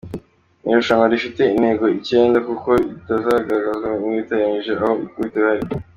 Ni irushanwa rifite intego icyenda nkuko bigaragarazwa n’uwaritangije aho ku ikubitiro hari;.